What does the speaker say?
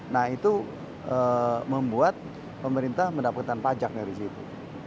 nah itu membuat pemerintah mendapatkan pajak dari situ